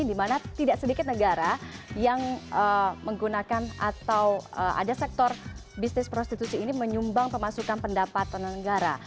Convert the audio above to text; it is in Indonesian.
di mana tidak sedikit negara yang menggunakan atau ada sektor bisnis prostitusi ini menyumbang pemasukan pendapatan negara